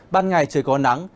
ban ngày trời có nắng